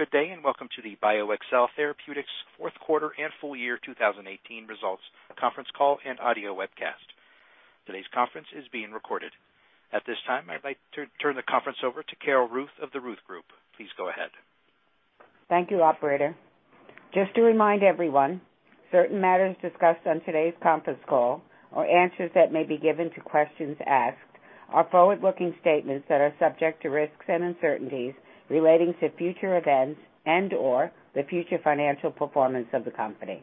Good day. Welcome to the BioXcel Therapeutics fourth quarter and full year 2018 results conference call and audio webcast. Today's conference is being recorded. At this time, I'd like to turn the conference over to Carol Ruth of The Ruth Group. Please go ahead. Thank you, operator. Just to remind everyone, certain matters discussed on today's conference call or answers that may be given to questions asked are forward-looking statements that are subject to risks and uncertainties relating to future events and/or the future financial performance of the company.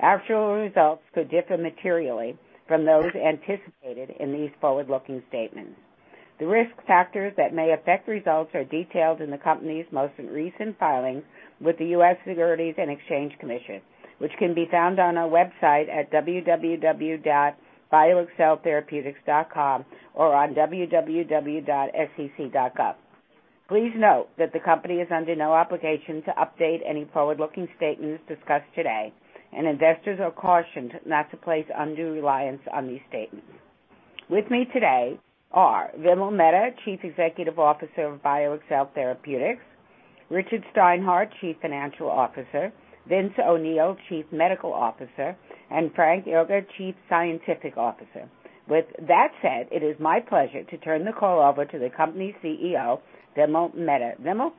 Actual results could differ materially from those anticipated in these forward-looking statements. The risk factors that may affect results are detailed in the company's most recent filings with the U.S. Securities and Exchange Commission, which can be found on our website at www.bioxceltherapeutics.com or on www.sec.gov. Please note that the company is under no obligation to update any forward-looking statements discussed today. Investors are cautioned not to place undue reliance on these statements. With me today are Vimal Mehta, Chief Executive Officer of BioXcel Therapeutics, Richard Steinhart, Chief Financial Officer, Vincent O'Neill, Chief Medical Officer, and Frank D. Yocca, Chief Scientific Officer. With that said, it is my pleasure to turn the call over to the company CEO, Vimal Mehta. Vimal?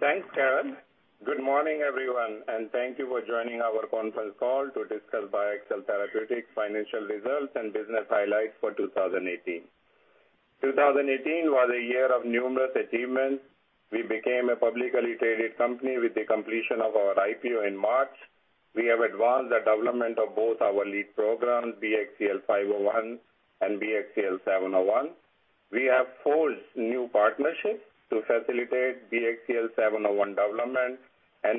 Thanks, Carol. Good morning, everyone. Thank you for joining our conference call to discuss BioXcel Therapeutics financial results and business highlights for 2018. 2018 was a year of numerous achievements. We became a publicly traded company with the completion of our IPO in March. We have advanced the development of both our lead programs, BXCL501 and BXCL701. We have forged new partnerships to facilitate BXCL701 development.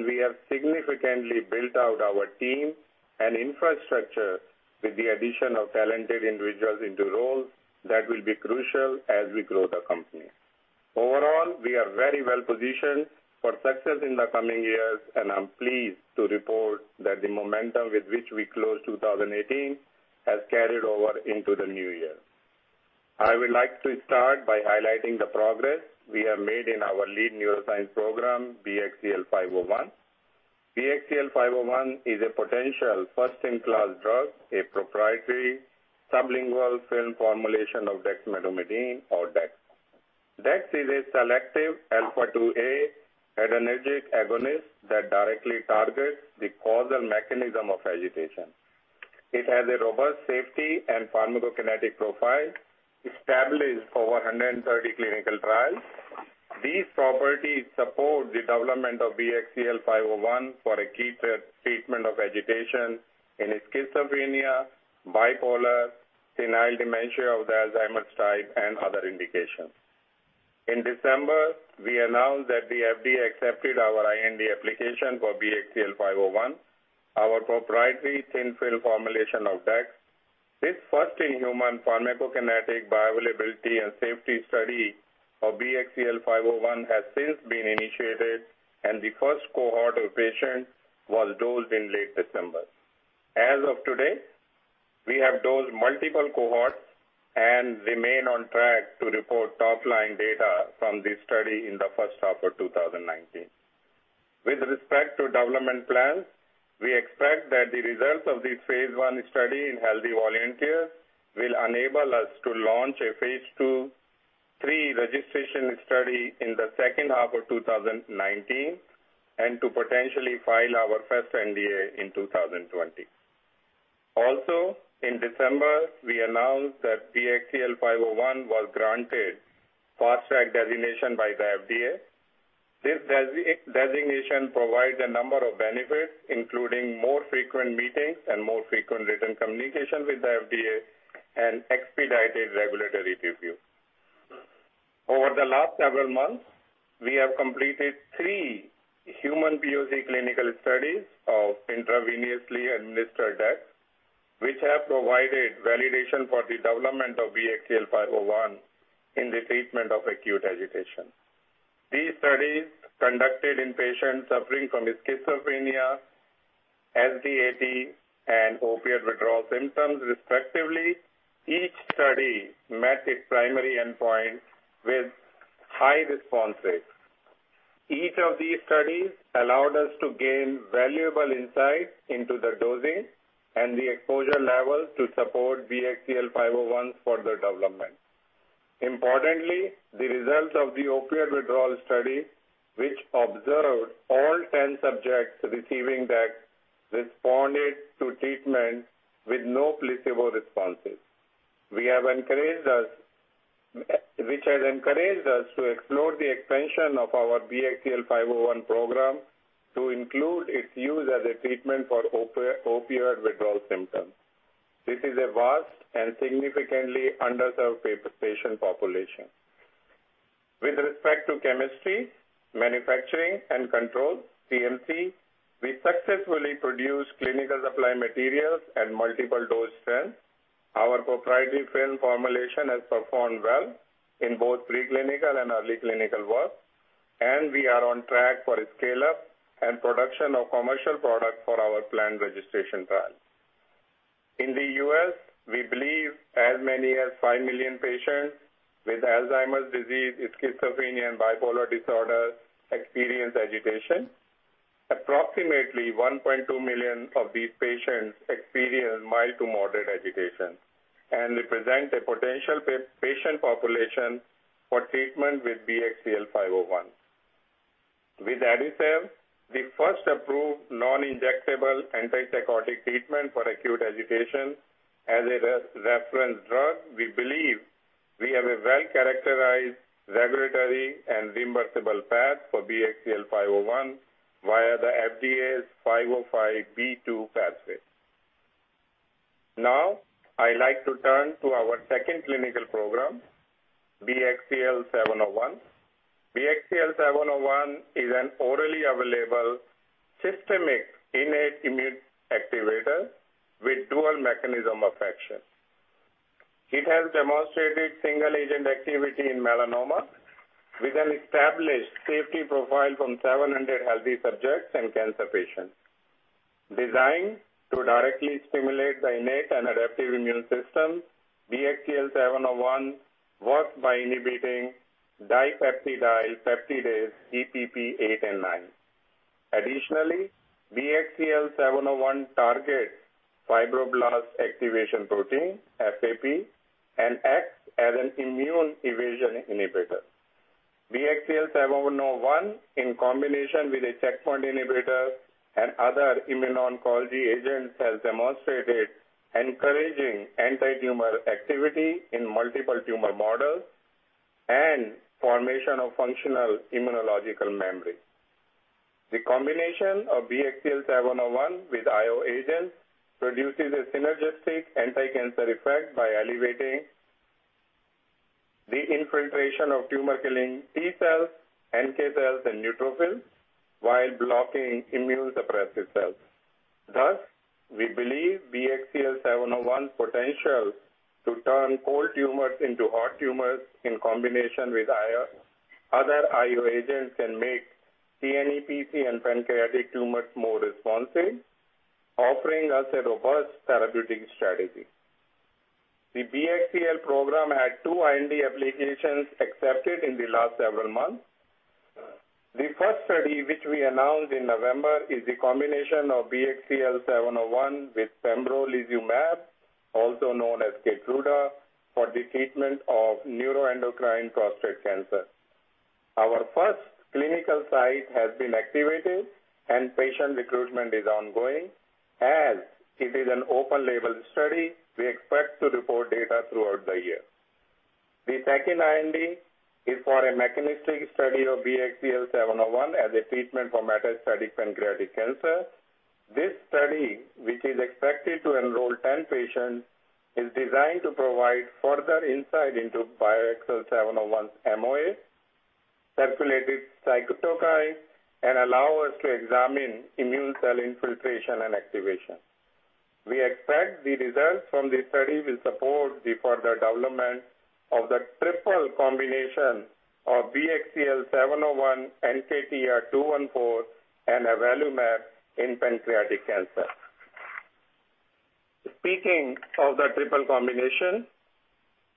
We have significantly built out our team and infrastructure with the addition of talented individuals into roles that will be crucial as we grow the company. Overall, we are very well positioned for success in the coming years. I'm pleased to report that the momentum with which we closed 2018 has carried over into the new year. I would like to start by highlighting the progress we have made in our lead neuroscience program, BXCL501. BXCL501 is a potential first-in-class drug, a proprietary sublingual film formulation of dexmedetomidine, or dex. Dex is a selective alpha-2A adrenergic agonist that directly targets the causal mechanism of agitation. It has a robust safety and pharmacokinetic profile established over 130 clinical trials. These properties support the development of BXCL501 for acute treatment of agitation in schizophrenia, bipolar, senile dementia of the Alzheimer's type, and other indications. In December, we announced that the FDA accepted our IND application for BXCL501, our proprietary thin film formulation of dex. This first-in-human pharmacokinetic bioavailability and safety study of BXCL501 has since been initiated, and the first cohort of patients was dosed in late December. As of today, we have dosed multiple cohorts and remain on track to report top-line data from this study in the first half of 2019. With respect to development plans, we expect that the results of this phase I study in healthy volunteers will enable us to launch a phase II/III registration study in the second half of 2019 and to potentially file our first NDA in 2020. Also, in December, we announced that BXCL501 was granted Fast Track designation by the FDA. This designation provides a number of benefits, including more frequent meetings and more frequent written communications with the FDA and expedited regulatory review. Over the last several months, we have completed three human POC clinical studies of intravenously administered dex, which have provided validation for the development of BXCL501 in the treatment of acute agitation. These studies conducted in patients suffering from schizophrenia, SDAT, and opiate withdrawal symptoms respectively. Each study met its primary endpoint with high response rates. Each of these studies allowed us to gain valuable insights into the dosing and the exposure levels to support BXCL501's further development. Importantly, the results of the opiate withdrawal study, which observed all 10 subjects receiving dex, responded to treatment with no placebo responses, which has encouraged us to explore the expansion of our BXCL501 program to include its use as a treatment for opiate withdrawal symptoms. This is a vast and significantly underserved patient population. With respect to chemistry, manufacturing, and control, CMC, we successfully produced clinical supply materials and multiple dose trends. Our proprietary film formulation has performed well in both pre-clinical and early clinical work, and we are on track for scale-up and production of commercial product for our planned registration trial. In the U.S., we believe as many as five million patients with Alzheimer's disease, schizophrenia, and bipolar disorders experience agitation. Approximately 1.2 million of these patients experience mild to moderate agitation and represent a potential patient population for treatment with BXCL501. With ADASUVE, the first approved non-injectable antipsychotic treatment for acute agitation as a reference drug, we believe we have a well-characterized regulatory and reimbursable path for BXCL501 via the FDA's 505(b)(2) pathway. Now I'd like to turn to our second clinical program, BXCL701. BXCL701 is an orally available systemic innate immune activator with dual mechanism of action. It has demonstrated single-agent activity in melanoma with an established safety profile from 700 healthy subjects and cancer patients. Designed to directly stimulate the innate and adaptive immune system, BXCL701 works by inhibiting dipeptidyl peptidase, DPP-8 and 9. Additionally, BXCL701 targets fibroblast activation protein, FAP, and acts as an immune evasion inhibitor. BXCL701, in combination with a checkpoint inhibitor and other immuno-oncology agents, has demonstrated encouraging anti-tumor activity in multiple tumor models and formation of functional immunological memory. The combination of BXCL701 with IO agents produces a synergistic anti-cancer effect by elevating the infiltration of tumor-killing T cells, NK cells, and neutrophils while blocking immune suppressive cells. Thus, we believe BXCL701's potential to turn cold tumors into hot tumors in combination with other IO agents can make pNEC and pancreatic tumors more responsive, offering us a robust therapeutic strategy. The BXCL program had two IND applications accepted in the last several months. The first study, which we announced in November, is the combination of BXCL701 with pembrolizumab, also known as KEYTRUDA, for the treatment of neuroendocrine prostate cancer. Our first clinical site has been activated, and patient recruitment is ongoing. As it is an open-label study, we expect to report data throughout the year. The second IND is for a mechanistic study of BXCL701 as a treatment for metastatic pancreatic cancer. This study, which is expected to enroll 10 patients, is designed to provide further insight into BXCL701's MOA, circulated cytokines, and allow us to examine immune cell infiltration and activation. We expect the results from the study will support the further development of the triple combination of BXCL701, NKTR-214, and avelumab in pancreatic cancer. Speaking of the triple combination,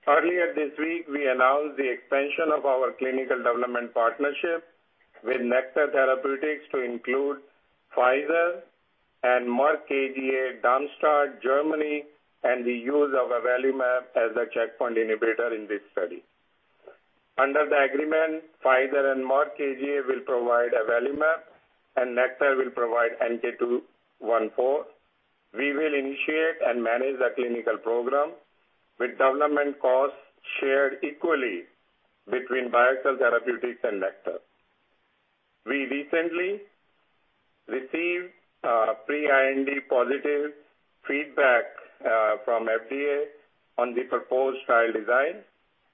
earlier this week, we announced the expansion of our clinical development partnership with Nektar Therapeutics to include Pfizer and Merck KGaA, Darmstadt, Germany, and the use of avelumab as the checkpoint inhibitor in this study. Under the agreement, Pfizer and Merck KGaA will provide avelumab, and Nektar will provide NKTR-214. We will initiate and manage the clinical program with development costs shared equally between BioXcel Therapeutics and Nektar Therapeutics. We recently received pre-IND positive feedback from FDA on the proposed trial design.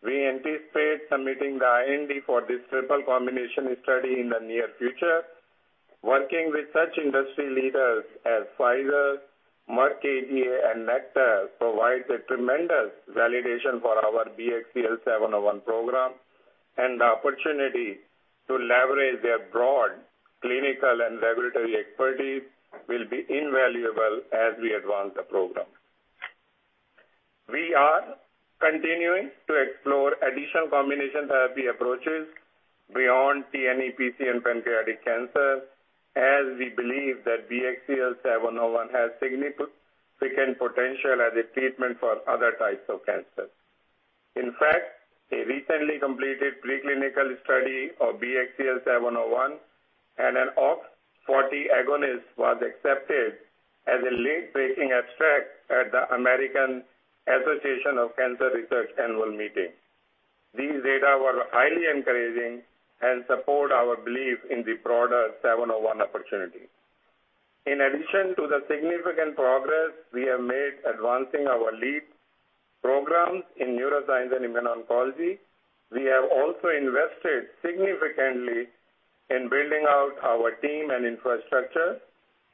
We anticipate submitting the IND for this triple combination study in the near future. Working with such industry leaders as Pfizer, Merck KGaA, and Nektar Therapeutics provides a tremendous validation for our BXCL701 program, and the opportunity to leverage their broad clinical and regulatory expertise will be invaluable as we advance the program. We are continuing to explore additional combination therapy approaches beyond pNEC and pancreatic cancer, as we believe that BXCL701 has significant potential as a treatment for other types of cancer. In fact, a recently completed preclinical study of BXCL701 and an OX40 agonist was accepted as a late-breaking abstract at the American Association for Cancer Research annual meeting. These data were highly encouraging and support our belief in the broader BXCL701 opportunity. In addition to the significant progress we have made advancing our lead programs in neuroscience and immuno-oncology, we have also invested significantly in building out our team and infrastructure.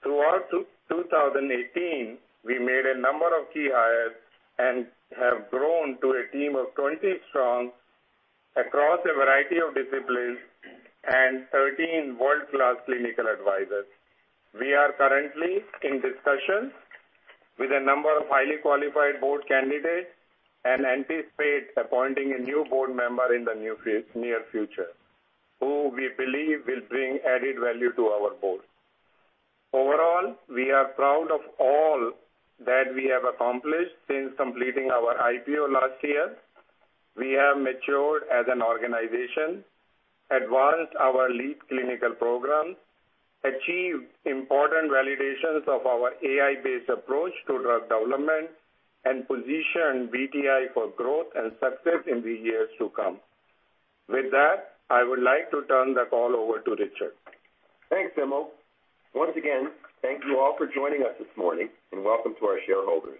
Throughout 2018, we made a number of key hires and have grown to a team of 20 strong across a variety of disciplines and 13 world-class clinical advisors. We are currently in discussions with a number of highly qualified board candidates and anticipate appointing a new board member in the near future, who we believe will bring added value to our board. Overall, we are proud of all that we have accomplished since completing our IPO last year. We have matured as an organization, advanced our lead clinical programs, achieved important validations of our AI-based approach to drug development, and positioned BTI for growth and success in the years to come. With that, I would like to turn the call over to Richard. Thanks, Vimal. Once again, thank you all for joining us this morning and welcome to our shareholders.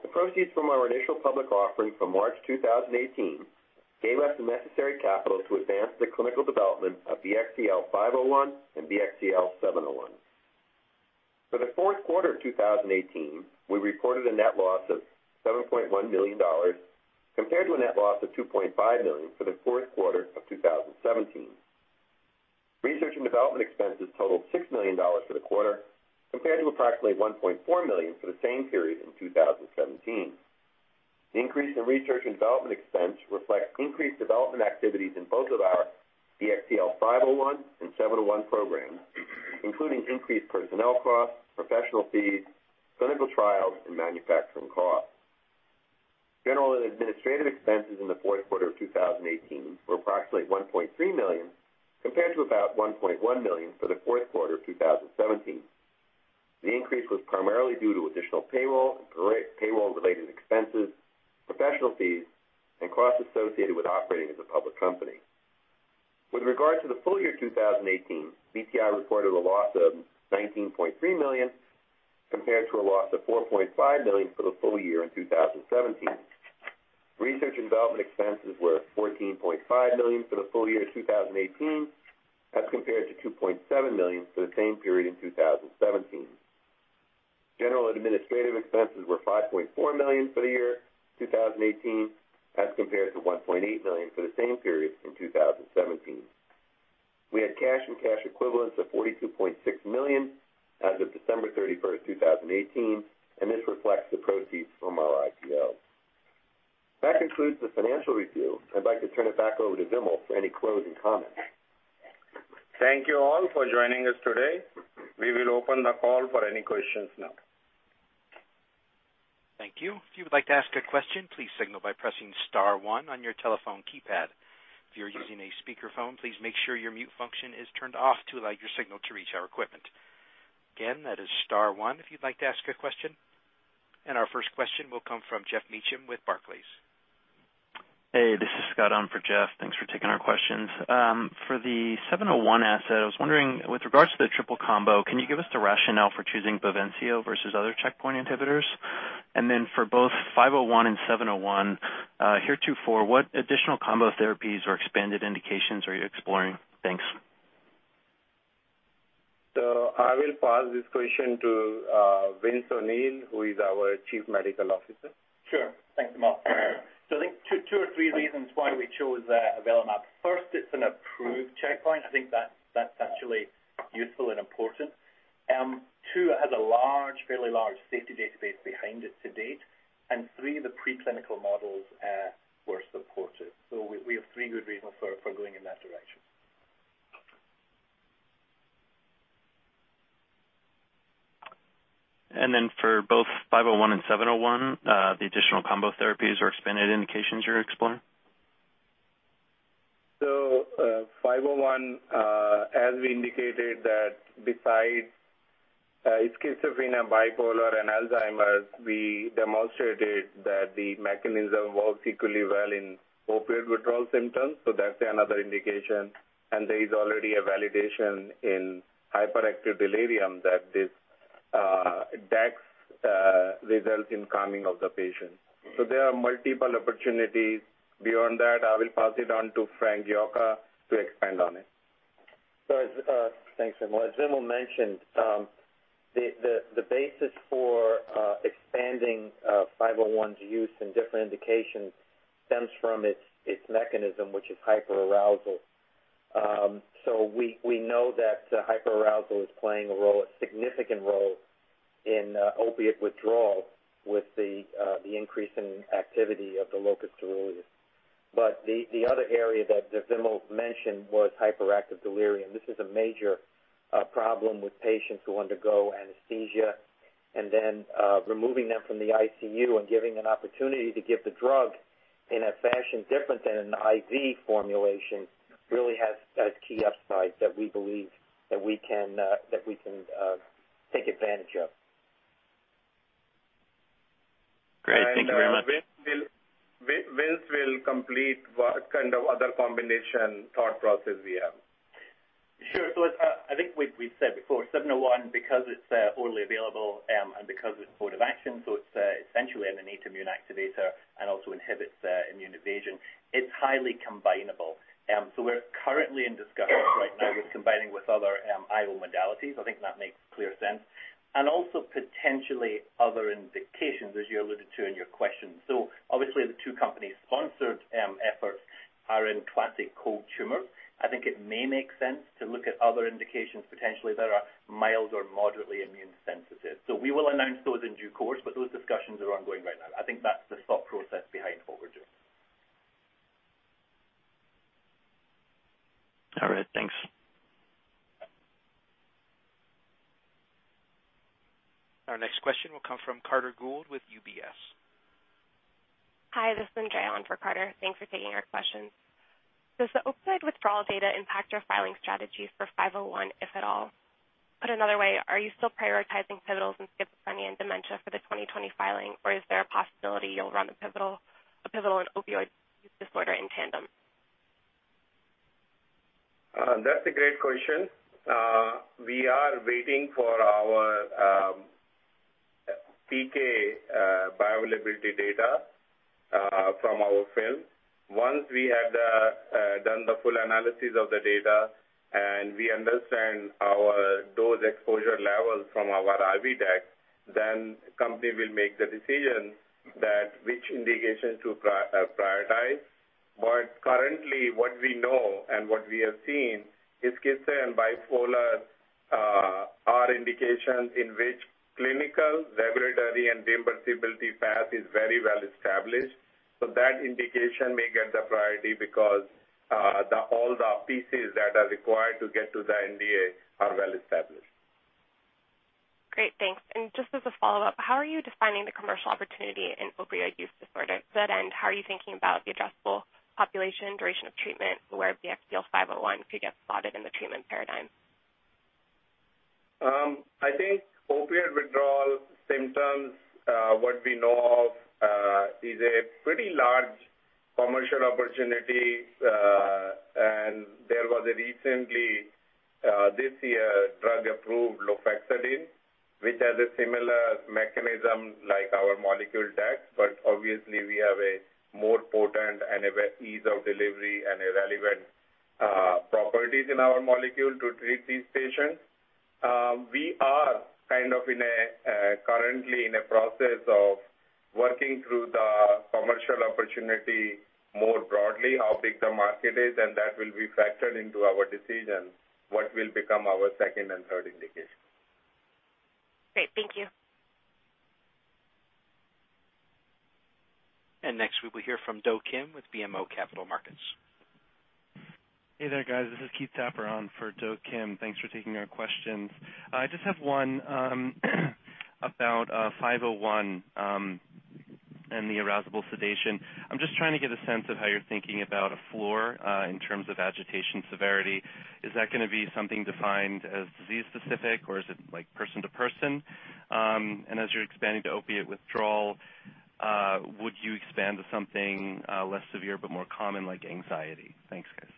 The proceeds from our initial public offering from March 2018 gave us the necessary capital to advance the clinical development of BXCL501 and BXCL701. For the fourth quarter of 2018, we reported a net loss of $7.1 million, compared to a net loss of $2.5 million for the fourth quarter of 2017. Research and development expenses totaled $6 million for the quarter, compared to approximately $1.4 million for the same period in 2017. The increase in research and development expense reflects increased development activities in both of our BXCL501 and BXCL701 programs, including increased personnel costs, professional fees, clinical trials, and manufacturing costs. General and administrative expenses in the fourth quarter of 2018 were approximately $1.3 million, compared to about $1.1 million for the fourth quarter of 2017. The increase was primarily due to additional payroll-related expenses, professional fees, and costs associated with operating as a public company. With regard to the full year 2018, BTI reported a loss of $19.3 million, compared to a loss of $4.5 million for the full year in 2017. Research and development expenses were $14.5 million for the full year 2018, as compared to $2.7 million for the same period in 2017. General and administrative expenses were $5.4 million for the year 2018 as compared to $1.8 million for the same period in 2017. We had cash and cash equivalents of $42.6 million as of December 31st, 2018, and this reflects the proceeds from our IPO. That concludes the financial review. I'd like to turn it back over to Vimal for any closing comments. Thank you all for joining us today. We will open the call for any questions now. Thank you. If you would like to ask a question, please signal by pressing star one on your telephone keypad. If you're using a speakerphone, please make sure your mute function is turned off to allow your signal to reach our equipment. Again, that is star one if you'd like to ask a question. Our first question will come from Geoffrey Meacham with Barclays. Hey, this is Scott on for Geoffrey. Thanks for taking our questions. For the BXCL701 asset, I was wondering with regards to the triple combo, can you give us the rationale for choosing BAVENCIO versus other checkpoint inhibitors? Then for both BXCL501 and BXCL701, heretofore, what additional combo therapies or expanded indications are you exploring? Thanks. I will pass this question to Vincent O'Neill, who is our Chief Medical Officer. Sure. Thanks, Vimal. I think two or three reasons why we chose avelumab. First, it's an approved checkpoint. I think that's actually useful and important. Two, it has a fairly large safety database behind it to date, and three, the preclinical models were supported. We have three good reasons for going in that direction. For both BXCL501 and BXCL701, the additional combo therapies or expanded indications you're exploring? BXCL501, as we indicated, that besides schizophrenia, bipolar, and Alzheimer's, we demonstrated that the mechanism works equally well in opiate withdrawal symptoms, that's another indication. There is already a validation in hyperactive delirium that this results in calming of the patient. There are multiple opportunities. Beyond that, I will pass it on to Frank D. Yocca to expand on it. Thanks, Vimal. As Vimal mentioned, the basis for expanding BXCL501's use in different indications stems from its mechanism, which is hyperarousal. We know that hyperarousal is playing a role, a significant role, in opiate withdrawal with the increase in activity of the locus coeruleus. The other area that Vimal mentioned was hyperactive delirium. This is a major problem with patients who undergo anesthesia and then removing them from the ICU and giving an opportunity to give the drug in a fashion different than an IV formulation really has key upsides that we believe that we can take advantage of. Great. Thank you very much. Vince will complete what kind of other combination thought process we have. Sure. I think we've said before, BXCL701, because it's orally available and because of its mode of action, it's essentially an innate immune activator and also inhibits immune evasion, it's highly combined We're currently in discussions right now with combining with other IO modalities. I think that makes clear sense. Also potentially other indications, as you alluded to in your question. Obviously the two companies' sponsored efforts are in classic cold tumor. I think it may make sense to look at other indications, potentially that are mild or moderately immune sensitive. We will announce those in due course, but those discussions are ongoing right now. I think that's the thought process behind what we're doing. All right. Thanks. Our next question will come from Carter Gould with UBS. Hi, this is Andrea on for Carter. Thanks for taking our questions. Does the opioid withdrawal data impact your filing strategies for BXCL501, if at all? Put another way, are you still prioritizing pivotals in schizophrenia and dementia for the 2020 filing, or is there a possibility you will run a pivotal in opioid use disorder in tandem? That's a great question. We are waiting for our PK bioavailability data from our film. Once we have done the full analysis of the data and we understand our dose exposure levels from our IV dex, company will make the decision that which indications to prioritize. Currently, what we know and what we have seen is schizophrenia and bipolar are indications in which clinical, regulatory, and reimbursement path is very well established. That indication may get the priority because all the pieces that are required to get to the NDA are well established. Great. Thanks. Just as a follow-up, how are you defining the commercial opportunity in opioid use disorder? To that end, how are you thinking about the addressable population, duration of treatment, where BXCL501 could get slotted in the treatment paradigm? I think opiate withdrawal symptoms, what we know of, is a pretty large commercial opportunity. There was a recently, this year, drug approved, lofexidine, which has a similar mechanism like our molecule dex, but obviously we have a more potent and ease of delivery and relevant properties in our molecule to treat these patients. We are currently in a process of working through the commercial opportunity more broadly, how big the market is, and that will be factored into our decision, what will become our second and third indication. Great. Thank you. Next we will hear from Do Kim with BMO Capital Markets. Hey there, guys. This is Keith Tapper on for Do Kim. Thanks for taking our questions. I just have one about BXCL501 and the arousable sedation. I'm just trying to get a sense of how you're thinking about a floor in terms of agitation severity. Is that going to be something defined as disease specific, or is it person to person? As you're expanding to opiate withdrawal, would you expand to something less severe but more common, like anxiety? Thanks, guys.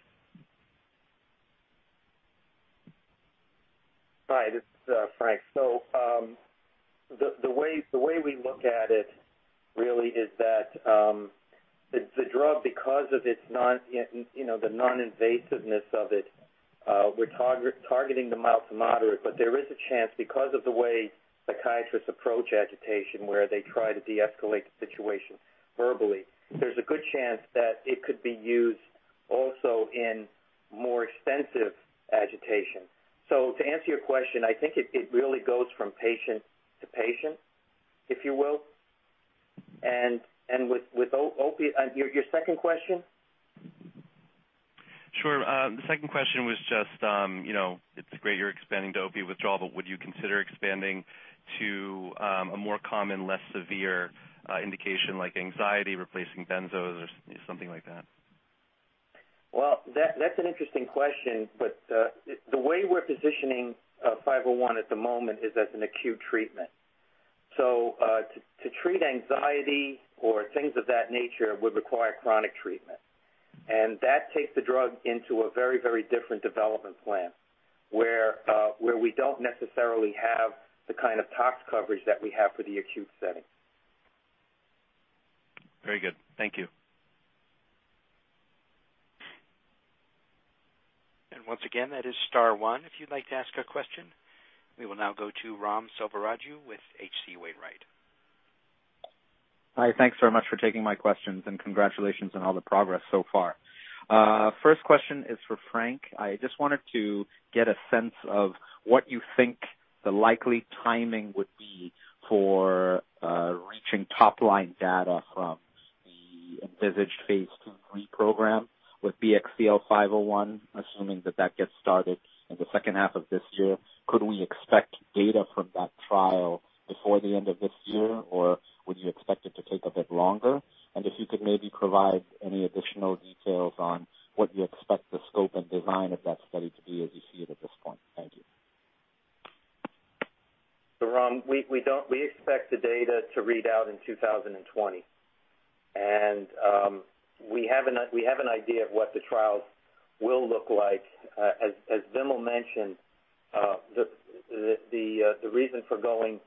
Hi, this is Frank. The way we look at it really is that the drug, because of the non-invasiveness of it, we're targeting the mild to moderate, there is a chance, because of the way psychiatrists approach agitation, where they try to deescalate the situation verbally. There's a good chance that it could be used also in more extensive agitation. To answer your question, I think it really goes from patient to patient, if you will. Your second question? Sure. The second question was just, it's great you're expanding to opiate withdrawal, but would you consider expanding to a more common, less severe indication like anxiety, replacing benzos or something like that? That's an interesting question, but the way we're positioning BXCL501 at the moment is as an acute treatment. To treat anxiety or things of that nature would require chronic treatment. That takes the drug into a very different development plan, where we don't necessarily have the kind of tox coverage that we have for the acute setting. Very good. Thank you. Once again, that is star one if you'd like to ask a question. We will now go to Ram Selvaraju with H.C. Wainwright & Co. Hi. Thanks very much for taking my questions and congratulations on all the progress so far. First question is for Frank. I just wanted to get a sense of what you think the likely timing would be for reaching top-line data from the envisaged phase II program with BXCL501, assuming that that gets started in the second half of this year. Could we expect data from that trial before the end of this year, or would you expect it to take a bit longer? If you could maybe provide any additional details on what you expect the scope and design of that study to be as you see it at this point. Thank you. Ram, we expect the data to read out in 2020. We have an idea of what the trials will look like. As Vimal mentioned. The reason for going,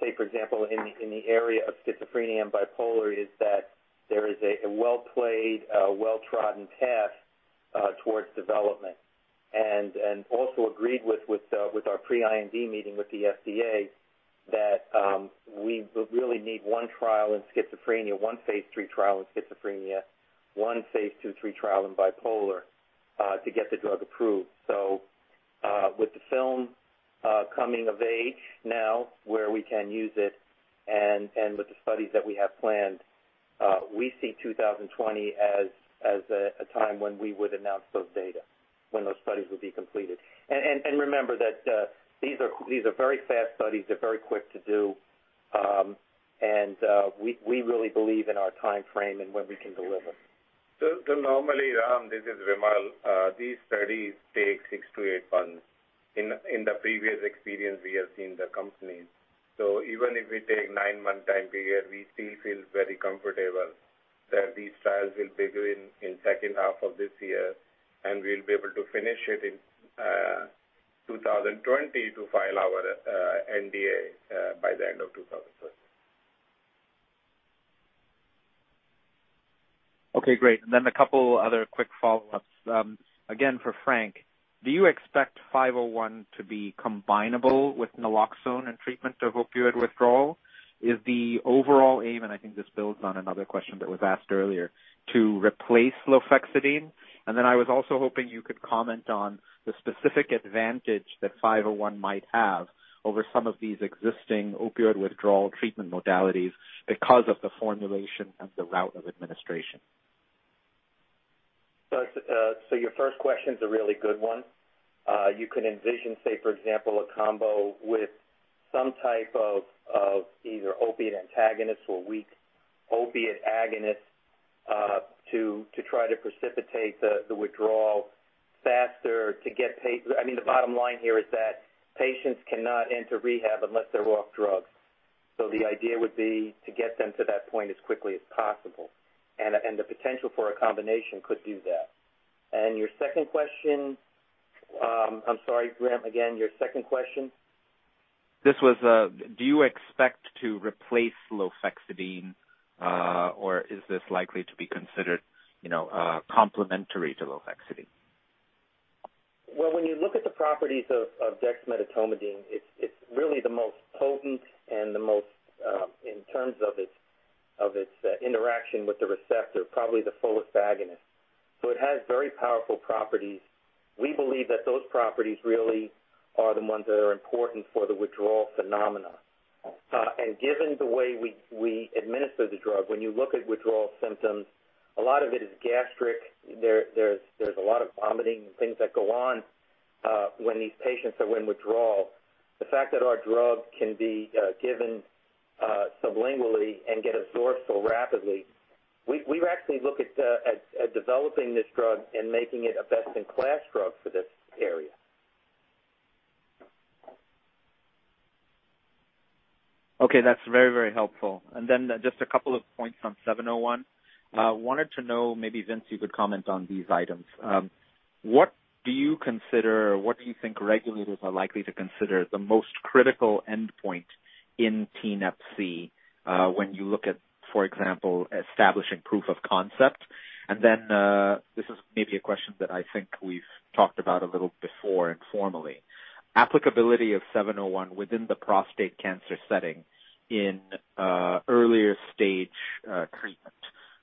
say, for example, in the area of schizophrenia and bipolar is that there is a well-played, well-trodden path towards development. Also agreed with our pre-IND meeting with the FDA that we really need one trial in schizophrenia, one phase III trial in schizophrenia, one phase II/III trial in bipolar to get the drug approved. With the film coming of age now where we can use it and with the studies that we have planned, we see 2020 as a time when we would announce those data, when those studies will be completed. Remember that these are very fast studies. They're very quick to do. We really believe in our timeframe and when we can deliver. Normally, this is Vimal, these studies take six to eight months. In the previous experience we have seen the companies. Even if we take nine-month time period, we still feel very comfortable that these trials will begin in second half of this year, and we'll be able to finish it in 2020 to file our NDA by the end of 2020. Okay, great. A couple other quick follow-ups. Again for Frank, do you expect BXCL501 to be combinable with naloxone in treatment of opioid withdrawal? Is the overall aim, and I think this builds on another question that was asked earlier, to replace lofexidine? I was also hoping you could comment on the specific advantage that BXCL501 might have over some of these existing opioid withdrawal treatment modalities because of the formulation and the route of administration. Your first question's a really good one. You could envision, say, for example, a combo with some type of either opiate antagonist or weak opiate agonist to try to precipitate the withdrawal faster. The bottom line here is that patients cannot enter rehab unless they're off drugs. The idea would be to get them to that point as quickly as possible, and the potential for a combination could do that. Your second question, I'm sorry, Ram, again, your second question? This was do you expect to replace lofexidine or is this likely to be considered complementary to lofexidine? When you look at the properties of dexmedetomidine, it's really the most potent and in terms of its interaction with the receptor, probably the fullest agonist. It has very powerful properties. We believe that those properties really are the ones that are important for the withdrawal phenomena. Given the way we administer the drug, when you look at withdrawal symptoms, a lot of it is gastric. There's a lot of vomiting and things that go on when these patients are in withdrawal. The fact that our drug can be given sublingually and get absorbed so rapidly, we've actually looked at developing this drug and making it a best-in-class drug for this area. Okay. That's very, very helpful. Just a couple of points on BXCL701. Wanted to know, maybe Vince, you could comment on these items. What do you consider, or what do you think regulators are likely to consider the most critical endpoint in NEPC when you look at, for example, establishing proof of concept? This is maybe a question that I think we've talked about a little before informally. Applicability of BXCL701 within the prostate cancer setting in earlier stage treatment,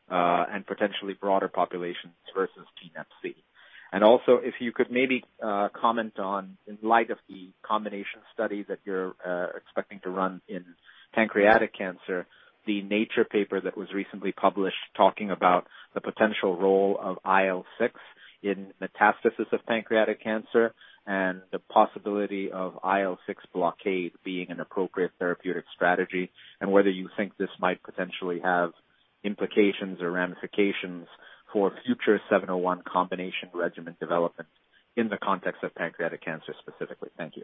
and potentially broader populations versus NEPC. Also, if you could maybe comment on, in light of the combination study that you're expecting to run in pancreatic cancer, the Nature paper that was recently published talking about the potential role of IL-6 in metastasis of pancreatic cancer and the possibility of IL-6 blockade being an appropriate therapeutic strategy, and whether you think this might potentially have implications or ramifications for future BXCL701 combination regimen development in the context of pancreatic cancer specifically. Thank you.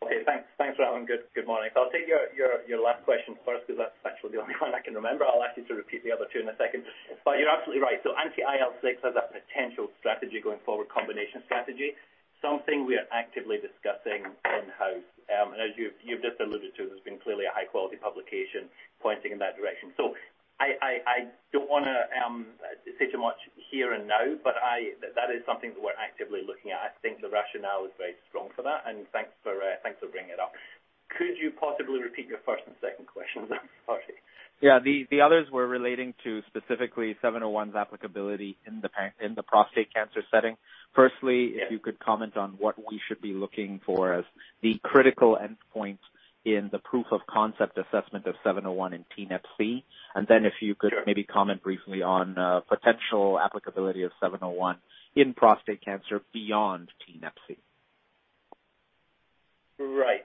Okay. Thanks, Ram. Good morning. I'll take your last question first because that's actually the only one I can remember. I'll ask you to repeat the other two in a second. You're absolutely right. Anti IL-6 as a potential strategy going forward, combination strategy, something we are actively discussing in-house. As you've just alluded to, there's been clearly a high-quality publication pointing in that direction. I don't want to say too much here and now, but that is something that we're actively looking at. I think the rationale is very strong for that, and thanks for bringing it up. Could you possibly repeat your first and second questions? I'm sorry. Yeah. The others were relating to specifically BXCL701's applicability in the prostate cancer setting. Yeah If you could comment on what we should be looking for as the critical endpoint in the proof of concept assessment of BXCL701 in NEPC. Sure Maybe comment briefly on potential applicability of BXCL701 in prostate cancer beyond NEPC. Right.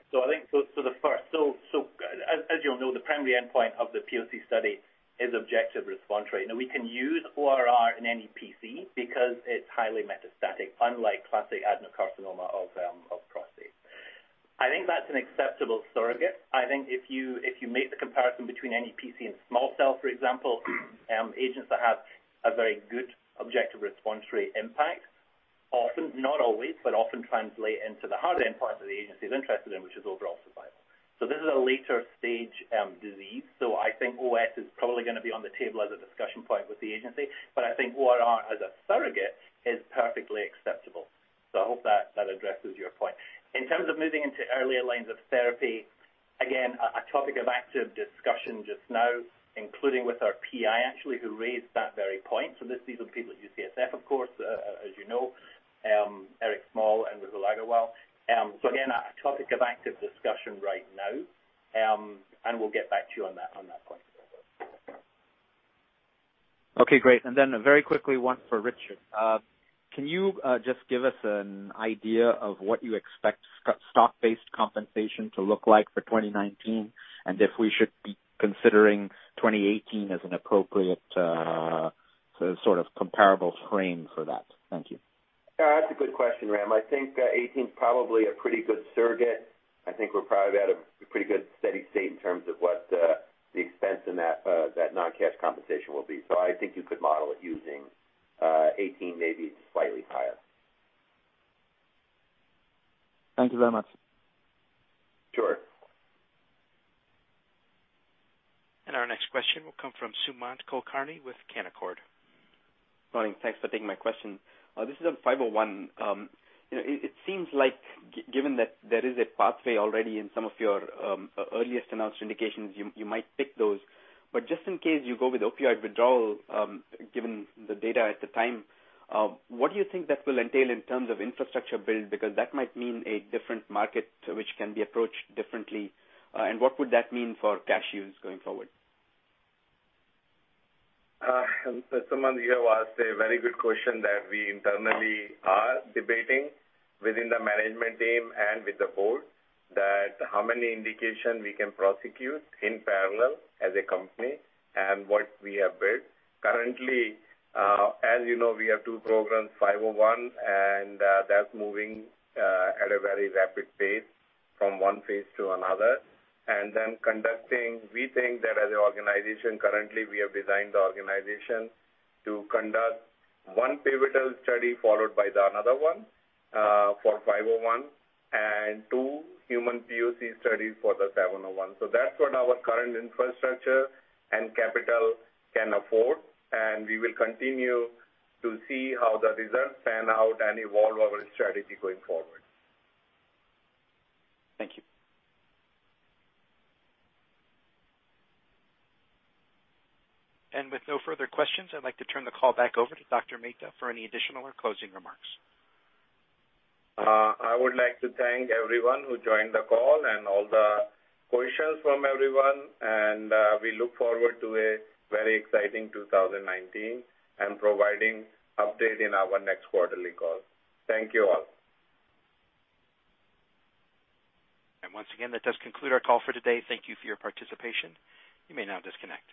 As you'll know, the primary endpoint of the POC study is objective response rate. We can use ORR in NEPC because it's highly metastatic, unlike classic adenocarcinoma. I think that's an acceptable surrogate. I think if you make the comparison between NEPC and small cell, for example, agents that have a very good objective response rate impact, not always, but often translate into the harder end parts that the agency is interested in, which is overall survival. This is a later stage disease. I think OS is probably going to be on the table as a discussion point with the agency, but I think ORR as a surrogate is perfectly acceptable. I hope that addresses your point. In terms of moving into earlier lines of therapy, again, a topic of active discussion just now, including with our PI, actually, who raised that very point. These are the people at UCSF, of course, as you know, Eric Small and Rahul Aggarwal. Again, a topic of active discussion right now, and we'll get back to you on that point. Okay, great. Very quickly, one for Richard. Can you just give us an idea of what you expect stock-based compensation to look like for 2019, and if we should be considering 2018 as an appropriate sort of comparable frame for that? Thank you. That's a good question, Ram. I think 2018 is probably a pretty good surrogate. I think we're probably at a pretty good steady state in terms of what the expense in that non-cash compensation will be. I think you could model it using 2018, maybe slightly higher. Thank you very much. Sure. Our next question will come from Sumanth Kulkarni with Canaccord. Morning. Thanks for taking my question. This is on BXCL501. It seems like given that there is a pathway already in some of your earliest announced indications, you might pick those. Just in case you go with opioid withdrawal, given the data at the time, what do you think that will entail in terms of infrastructure build? Because that might mean a different market which can be approached differently. What would that mean for cash use going forward? Sumanth, you have asked a very good question that we internally are debating within the management team and with the board, that how many indication we can prosecute in parallel as a company and what we have built. Currently, as you know, we have two programs, BXCL501, and that's moving at a very rapid pace from one phase to another. Conducting, we think that as an organization currently, we have designed the organization to conduct one pivotal study followed by another one for BXCL501 and two human POC studies for the BXCL701. That's what our current infrastructure and capital can afford, and we will continue to see how the results pan out and evolve our strategy going forward. Thank you. With no further questions, I'd like to turn the call back over to Dr. Mehta for any additional or closing remarks. I would like to thank everyone who joined the call and all the questions from everyone. We look forward to a very exciting 2019 and providing update in our next quarterly call. Thank you all. Once again, that does conclude our call for today. Thank you for your participation. You may now disconnect.